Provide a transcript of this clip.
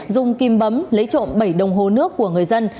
dùng kim bấm lấy trộm bảy đồng hồ nước của người dân